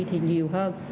thì nhiều hơn